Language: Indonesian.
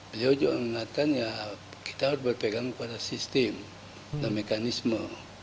beliau juga mengatakan ya kita harus berpegang pada sistem dan mekanisme